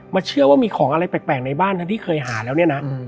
เชื่อว่ามีของอะไรแปลกในบ้านทั้งที่เคยหาแล้วเนี่ยนะ